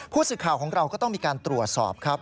ผู้สื่อข่าวของเราก็ต้องมีการตรวจสอบครับ